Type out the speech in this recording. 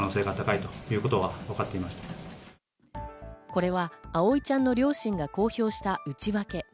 これは、葵ちゃんの両親が公表した内訳。